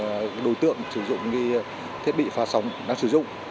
để xác định cái khu vực đối tượng sử dụng cái thiết bị phá sóng đang sử dụng